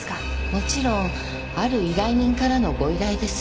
もちろんある依頼人からのご依頼です。